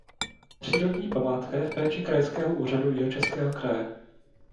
Přírodní památka je v péči Krajského úřadu Jihočeského kraje.